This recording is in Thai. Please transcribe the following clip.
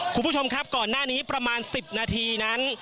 คุณผู้ชมครับก่อนหน้านี้ประมาณ๑๐นาทีนั้น